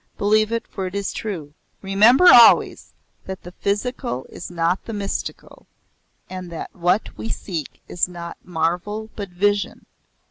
Believe it for it is true. Remember always that the psychical is not the mystical and that what we seek is not marvel but vision.